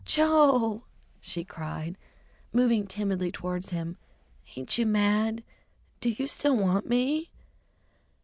"Joe!" she cried, moving timidly towards him, "ain't you mad? Do you still want me?"